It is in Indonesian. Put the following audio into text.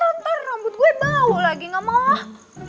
ntar rambut gue bau lagi gak mau